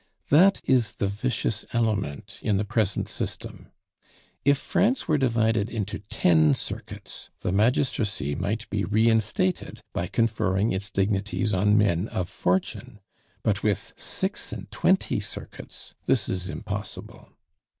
That is the vicious element in the present system. If France were divided into ten circuits, the magistracy might be reinstated by conferring its dignities on men of fortune; but with six and twenty circuits this is impossible.